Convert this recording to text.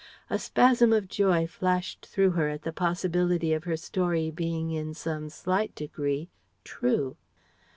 A spasm of joy flashed through her at the possibility of her story being in some slight degree true.